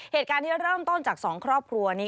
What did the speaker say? เหตุการณ์ที่เริ่มต้นจาก๒ครอบครัวนี้